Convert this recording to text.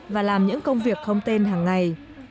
và làm những công việc không tên hàng ngày